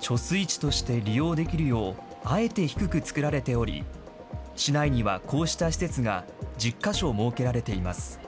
貯水池として利用できるよう、あえて低く作られており、市内にはこうした施設が１０か所設けられています。